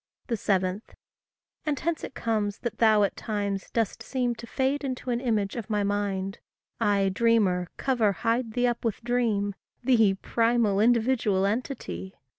7. And hence it comes that thou at times dost seem To fade into an image of my mind; I, dreamer, cover, hide thee up with dream, Thee, primal, individual entity!